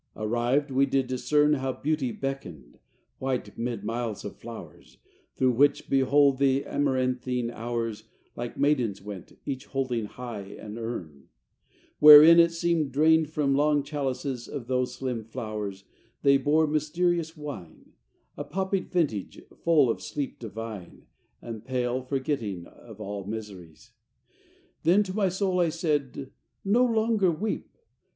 Arrived, we did discern How Beauty beckoned, white 'mid miles of flowers, Through which, behold, the amaranthine Hours Like maidens went, each holding high an urn; X Wherein, it seemed drained from long chalices Of those slim flowers they bore mysterious wine; A poppied vintage, full of sleep divine, And pale forgetting of all miseries. XI Then to my soul I said, "No longer weep.